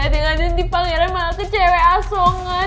dengan dede pangeran malah ke cewek asokan